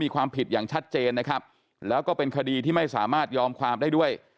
ความผิดอย่างชัดเจนนะครับแล้วก็เป็นคดีที่ไม่สามารถยอมความได้ด้วย